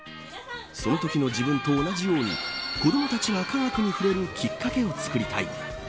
そのときの自分と同じように子どもたちが科学に触れるきっかけを作りたい。